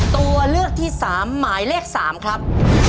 ตัวเลือกที่สามหมายเลขสามครับ